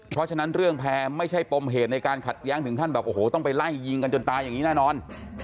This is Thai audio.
เพราะฉะนั้นเรื่องแพร่ไม่ใช่ปมเหตุในการขัดแย้งถึงขั้นแบบโอ้โหต้องไปไล่ยิงกันจนตายอย่างนี้แน่นอน